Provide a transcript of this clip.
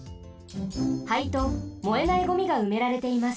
灰と燃えないゴミがうめられています。